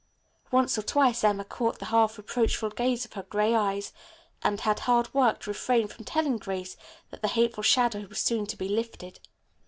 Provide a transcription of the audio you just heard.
Once or twice Emma caught the half reproachful gaze of her gray eyes, and had hard work to refrain from telling Grace that the hateful shadow was soon to be lifted.